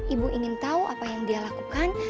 ibu ingin tahu apa yang dia lakukan